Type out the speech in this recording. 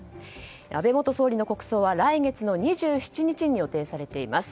安倍元総理の国葬は来月の２７日に予定されています。